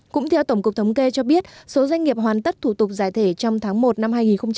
cũng theo tổng cục thống kê cho biết số doanh nghiệp hoàn tất thủ tục giải thể trong tháng một năm hai nghìn hai mươi